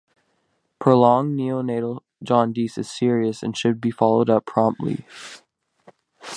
Prolonged neonatal jaundice is serious and should be followed up promptly.